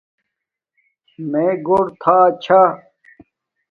میے گھور تھا چھا